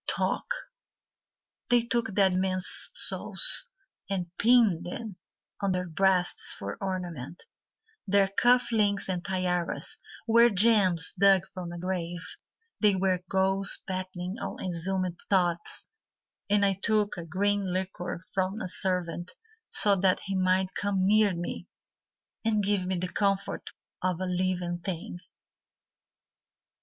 Talk They took dead men's souls And pinned them on their breasts for ornament; Their cuff links and tiaras Were gems dug from a grave; They were ghouls battening on exhumed thoughts; And I took a green liqueur from a servant So that he might come near me And give me the comfort of a living thing.